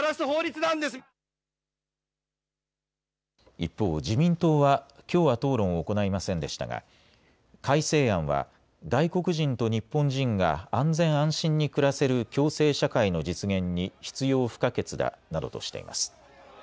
一方、自民党はきょうは討論を行いませんでしたが改正案は外国人と日本人が安全、安心に暮らせる共生社会の実現に必要不可欠だなどとしています。